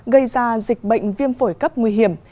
gây ra dịch bệnh viêm phổi cấp nguy hiểm